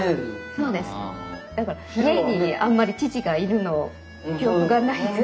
だから家にあんまり父がいるの記憶がないです。